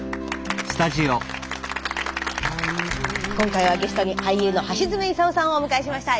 今回はゲストに俳優の橋爪功さんをお迎えしました。